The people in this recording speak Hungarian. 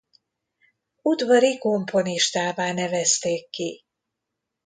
Udvari komponistává nevezték ki.